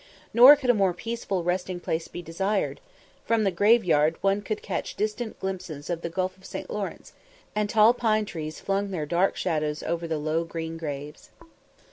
Nor could a more peaceful resting place be desired: from the graveyard one could catch distant glimpses of the Gulf of St. Lawrence, and tall pine trees flung their dark shadows over the low green graves.